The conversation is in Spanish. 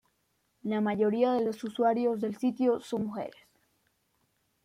La mayoría de los usuarios del sitio son mujeres.